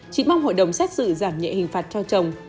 chị mong hội đồng xét xử giảm nhẹ hình phạt cho chồng